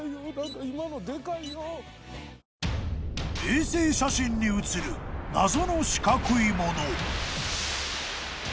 ［衛星写真に写る謎の四角いもの］